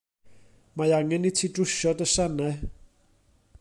Mae angen i ti drwsio dy sanau.